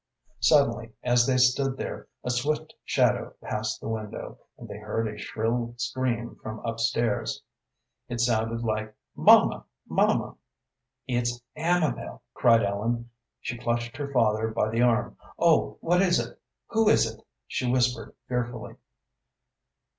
Suddenly, as they stood there, a swift shadow passed the window, and they heard a shrill scream from up stairs. It sounded like "Mamma, mamma!" "It's Amabel!" cried Ellen. She clutched her father by the arm. "Oh, what is it who is it?" she whispered, fearfully.